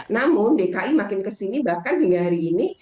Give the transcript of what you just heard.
namun dki makin kesini bahkan hingga hari ini